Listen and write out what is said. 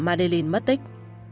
madeleine mất tích